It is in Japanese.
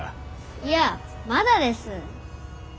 いやまだです。